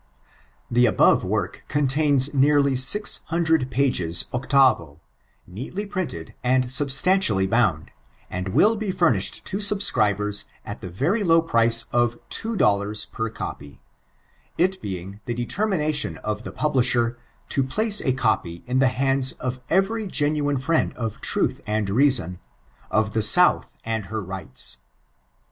The above work contains nearly six hundred pagea octavo, neatly printed and substantially bound, and will be furnished to subscribers at the very low price of $3 per copy: it being the determinatioo of the •ublisber to place a copy in the hands of every genuine friend of truth and reason, of the South and her rights.